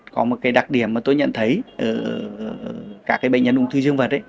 có một đặc điểm mà tôi nhận thấy ở các bệnh nhân ung thư dân vật